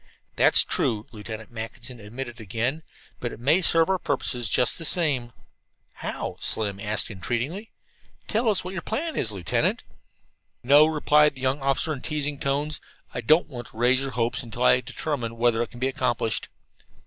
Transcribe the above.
"That's true," Lieutenant Mackinson admitted again, "but it may serve our purposes just the same." "How?" Slim asked entreatingly. "Tell us what your plan is, Lieutenant." "No," replied the young officer in teasing tones, "I don't want to raise your hopes until I determine whether it can be accomplished."